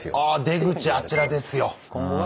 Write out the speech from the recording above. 「出口あちらですよ」。